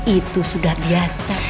itu sudah biasa